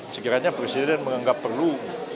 sekiranya presiden menganggap perlu